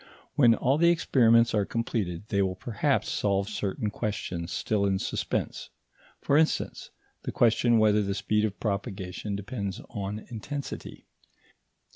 When all the experiments are completed, they will perhaps solve certain questions still in suspense; for instance, the question whether the speed of propagation depends on intensity.